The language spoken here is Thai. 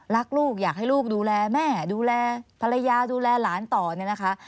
รักลูกอยากให้ลูกดูแลแม่ดูแลภรรยาดูแลหลานต่อเนี่ยนะคะ